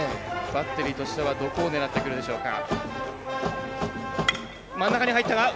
バッテリーとしてはどこを狙ってくるでしょうか。